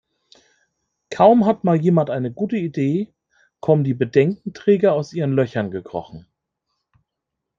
Kaum hat mal jemand eine gute Idee, kommen die Bedenkenträger aus ihren Löchern gekrochen.